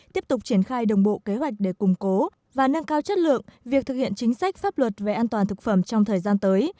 tiếp tục triển khai đồng bộ kế hoạch để củng cố và nâng cao chất lượng việc thực hiện chính sách pháp luật về an toàn thực phẩm trong thời gian tới